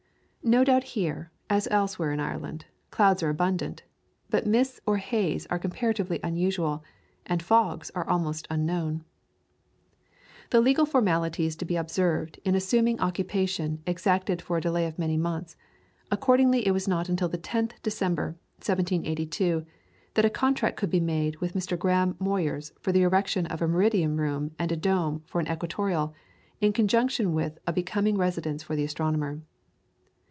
No doubt here, as elsewhere in Ireland, clouds are abundant, but mists or haze are comparatively unusual, and fogs are almost unknown. The legal formalities to be observed in assuming occupation exacted a delay of many months; accordingly, it was not until the 10th December, 1782, that a contract could be made with Mr. Graham Moyers for the erection of a meridian room and a dome for an equatorial, in conjunction with a becoming residence for the astronomer.